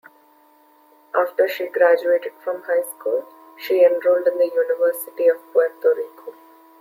After she graduated from high school, she enrolled in the University of Puerto Rico.